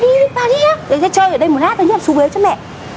tùm đến cái thằng này mà phạm sai lầm ạ